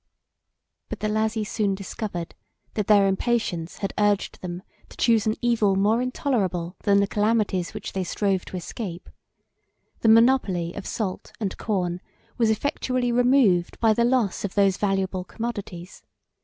But the Lazi soon discovered, that their impatience had urged them to choose an evil more intolerable than the calamities which they strove to escape. The monopoly of salt and corn was effectually removed by the loss of those valuable commodities.